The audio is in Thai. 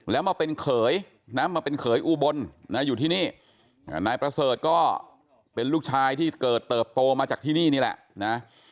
แล้วมาเป็นเขยนะมาเป็นเขยอุบลนะอยู่ที่นี่นายประเสริฐก็เป็นลูกชายที่เกิดเติบโตมาจากที่นี่นี่แหละนะ